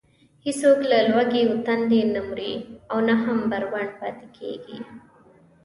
هېڅوک له لوږې و تندې نه مري او نه هم بربنډ پاتې کېږي.